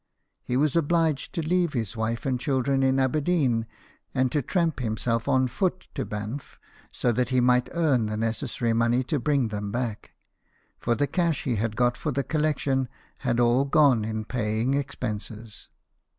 He was obliged to leave his wife and children in Aberdeen, and to tramp himself on foot to Banff, so that he might earn the necessary money to bring them back ; for the cash he had got for the collection had all gone in paying expenses.